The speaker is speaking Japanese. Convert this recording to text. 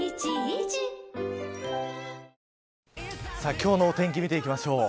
今日のお天気見ていきましょう。